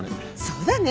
そうだよ。